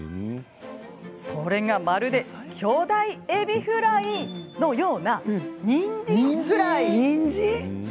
それが、まるで巨大えびフライのような、にんじんフライ。